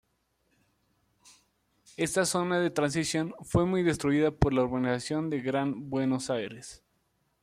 Esta zona de transición fue muy destruida por la urbanización del Gran Buenos Aires.